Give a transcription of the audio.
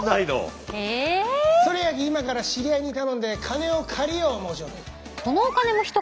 それやき今から知り合いに頼んで金を借りよう思うちょる。